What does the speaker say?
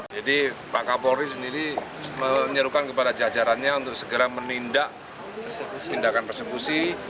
jadi pak kapolri sendiri menyerukan kepada jajarannya untuk segera menindak tindakan persekusi